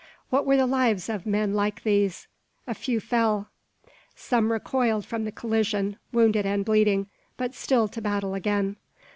What were the lives of men like these? A few fell. Some recoiled from the collision, wounded and bleeding, but still to battle again.